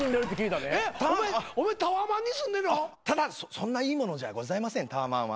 そんないいものじゃございませんタワマンは。